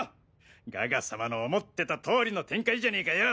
ガガ様の思ってた通りの展開じゃねぇかよ！